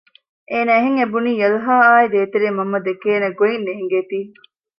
އޭނަ އެހެން އެބުނީ ޔަލްހާއާއ ދޭތެރޭ މަންމަ ދެކޭނެ ގޮތް ނޭންގޭތީ